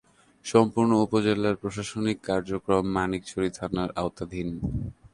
সম্পূর্ণ উপজেলার প্রশাসনিক কার্যক্রম মানিকছড়ি থানার আওতাধীন।